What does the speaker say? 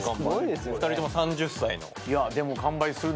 ２人とも３０歳の。